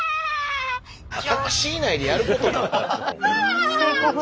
タクシー内でやることか？